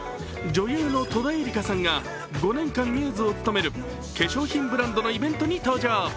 女優の戸田恵梨香さんが５年間ミューズを務める化粧品ブランドのイベントに登場。